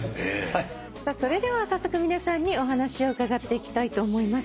それでは早速皆さんにお話を伺っていきたいと思います。